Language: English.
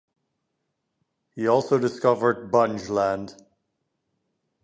He also discovered Bunge Land.